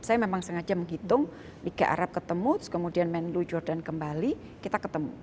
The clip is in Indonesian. saya memang sengaja menghitung liga arab ketemu kemudian menlu jordan kembali kita ketemu